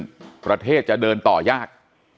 ประเทศจะเดินต่อยาก